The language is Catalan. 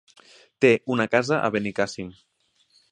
Té una casa a Benicàssim.